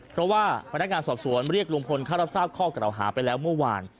เพราะว่าพนักงานสอบสวนเรียกลุงพลเข้ารับทราบข้อกล่าวหาไปแล้วเมื่อวาน